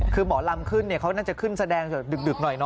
คือหมอลำขึ้นเขาน่าจะขึ้นแสดงดึกหน่อยเน